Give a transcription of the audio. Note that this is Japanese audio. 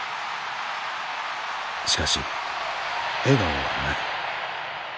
しかし笑顔はない。